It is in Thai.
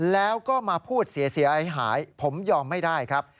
แล้วก็มาพูดเสียหายผมยอมไม่ได้ครับ